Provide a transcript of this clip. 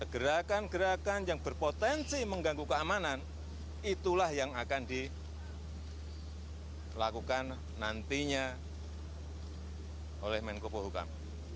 gerakan gerakan yang berpotensi mengganggu keamanan itulah yang akan dilakukan nantinya oleh menko pohukam